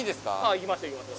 行きましょう行きましょう。